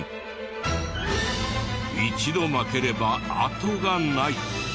一度負ければあとがない。